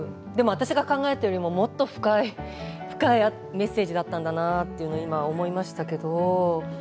でも私が考えてるよりもっと深いメッセージだったんだなと今、思いましたけど。